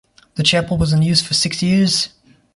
The chapel was unused for six years.